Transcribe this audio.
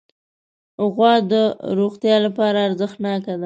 غوا د روغتیا لپاره ارزښتناکه ده.